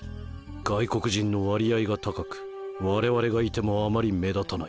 外国人の割合が高く我々がいてもあまり目立たない。